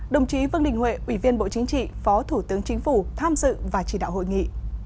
đồng chí vương đình huệ ủy viên bộ chính trị phó thủ tướng chính phủ tham dự và chỉ đạo hội nghị